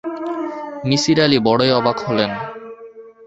নিসার আলি বড়ই অবাক হলেন।